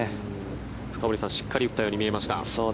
深堀さんしっかり打ったように見えました。